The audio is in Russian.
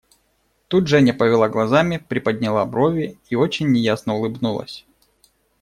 Тут Женя повела глазами, приподняла брови и очень неясно улыбнулась.